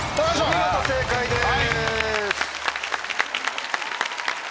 お見事正解です！